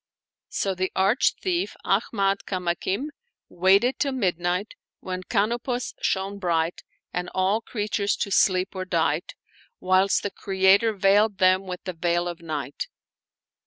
So the arch thief Ahmad Kamakim waited till midnight, when Canopus shone bright,^ and all creatures to sleep were dight, whilst the Creator veiled them with the veil of night.